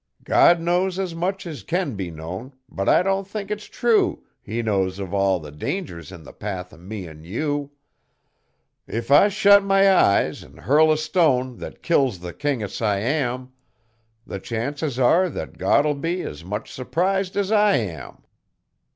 God knows as much as can be known, but I don't think it's true He knows of all the dangers in the path o' me an' you. If I shet my eyes an' hurl a stone that kills the King o' Siam, The chances are that God'll be as much surprised as I am.